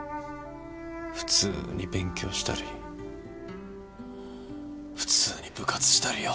普通に勉強したり普通に部活したりよ。